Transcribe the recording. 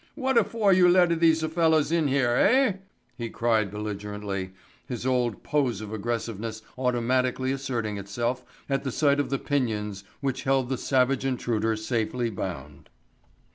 "Whatafor you leta theese fella in here, eh?" he cried belligerently, his old pose of aggressiveness automatically asserting itself at the sight of the pinions which held the savage intruder safely bound.